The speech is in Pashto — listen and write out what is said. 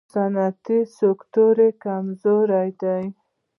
صنعتي سکتور یې کمزوری دی.